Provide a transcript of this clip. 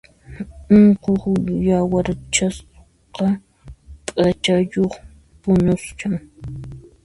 Unquq yawarchasqa p'achayuq puñushan.